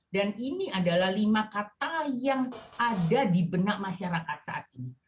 ini adalah lima kata yang ada di benak masyarakat saat ini